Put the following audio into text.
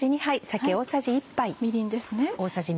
みりんです。